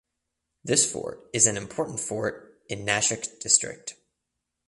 This fort is an important fort in Nashik district.